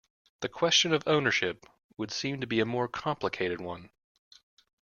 The question of ownership would seem to be a more complicated one.